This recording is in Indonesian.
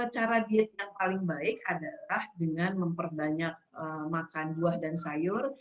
cara diet yang paling baik adalah dengan memperbanyak makan buah dan sayur